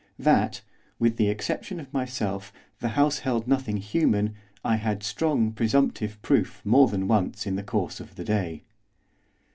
That, with the exception of myself, the house held nothing human, I had strong presumptive proof more than once in the course of the day.